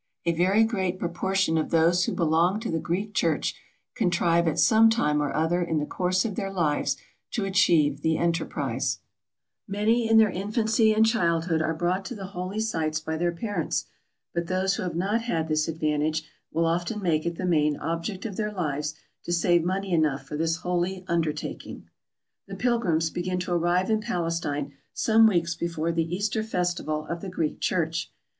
A very great proportion of those who belong to the Greek Church contrive at some time or other in the course of their lives to achieve the enterprise. 326 TRAVELERS AND EXPLORERS Many in their infancy and childhood are brought to the holy sites by their parents, but those who have not had this ad vantage will often make it the main object of their lives to save money enough for this holy undertaking. The pilgrims begin to arrive in Palestine some weeks be fore the Easter festival of the Greek Church.